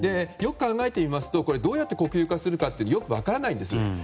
よく考えてみますとどうやって国有化するのかよく分からないんです。